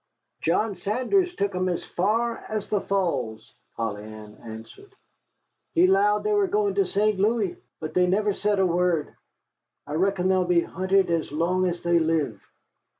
"John Saunders took 'em as far as the Falls," Polly Ann answered. "He 'lowed they was goin' to St. Louis. But they never said a word. I reckon they'll be hunted as long as they live."